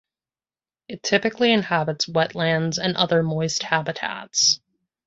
It typically inhabits wetlands and other moist habitats.